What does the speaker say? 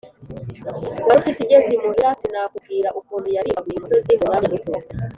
warupyisi igeze imuhira sinakubwira ukuntu yarimbaguye umusozi mu mwanya muto.